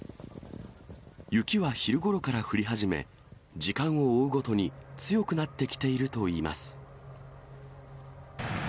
雪は昼ごろから降り始め、時間を追うごとに強くなってきているといいます。